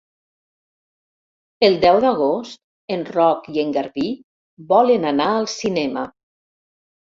El deu d'agost en Roc i en Garbí volen anar al cinema.